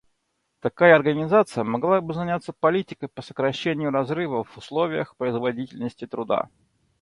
Такая организация могла бы заняться политикой по сокращение разрыва в уровнях производительности труда.